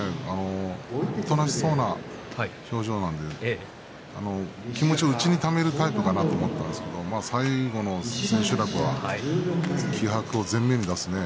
おとなしそうな表情なので気持ちを内にためるタイプかなと思ったんですが千秋楽は気迫を前面に出しました。